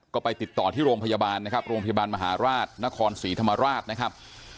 ก็ไปติดต่อที่โรงพยาบาลนะครับโรงพยาบาลมหาราชนครศรีธรรมราชนะครับ